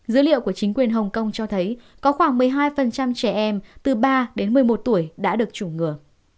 dữ liệu của chính quyền hồng kông cho thấy có khoảng một mươi hai trẻ em từ ba đến một mươi một tuổi đã được chủng ngừa